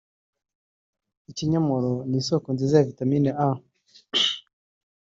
Ikinyomoro n’isoko nziza ya Vitamin A